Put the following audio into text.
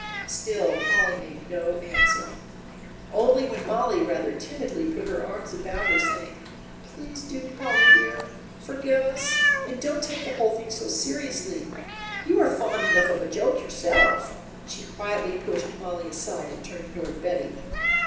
Still Polly made no answer, only when Mollie rather timidly put her arms about her saying: "Please do, Polly dear, forgive us and don't take the whole thing so seriously, you are fond enough of a joke yourself," she quietly pushed Mollie aside and turned toward Betty.